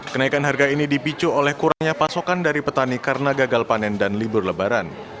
kenaikan harga ini dipicu oleh kurangnya pasokan dari petani karena gagal panen dan libur lebaran